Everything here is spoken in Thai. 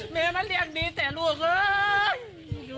แม่มาเรียกดีแต่ลูก